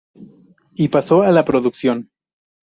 Y pasó a la producción.